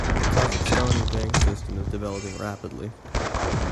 The Kazakhstani banking system is developing rapidly.